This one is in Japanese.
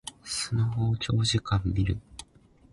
スマホを長時間みる